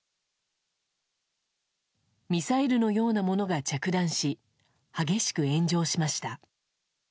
ミサイルのようなものが着弾し激しく炎上しました。